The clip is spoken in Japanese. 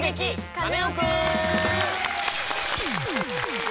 カネオくん」！